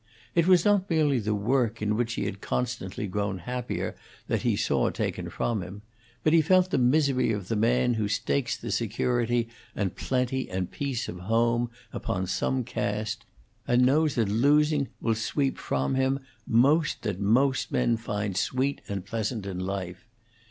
It was not merely the work in which he had constantly grown happier that he saw taken from him; but he felt the misery of the man who stakes the security and plenty and peace of home upon some cast, and knows that losing will sweep from him most that most men find sweet and pleasant in life.